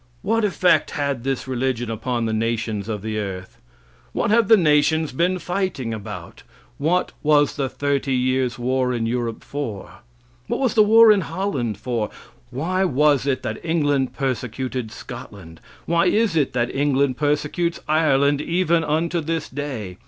What effect had this religion upon the nations of the earth? What have the nations been fighting about? What was the Thirty Years' War in Europe for? What was the war in Holland for? Why was it that England persecuted Scotland? Why is it that England persecutes Ireland even unto this day?